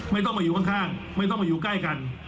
ไม่ต้องมาอยู่ข้างไม่ต้องมาอยู่ใกล้กัน